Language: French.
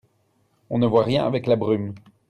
On ne voit rien avec la brume.